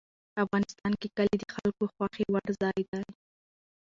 افغانستان کې کلي د خلکو خوښې وړ ځای دی.